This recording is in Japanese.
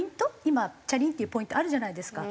今ＣＨＡＲｉＮっていうポイントあるじゃないですか。